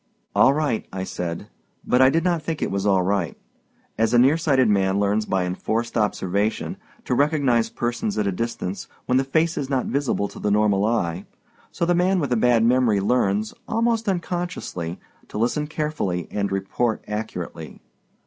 "All right," I said; but I did not think it was all right. As a nearsighted man learns by enforced observation to recognize persons at a distance when the face is not visible to the normal eye, so the man with a bad memory learns, almost unconsciously, to listen carefully and report accurately.